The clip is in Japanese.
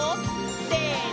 せの！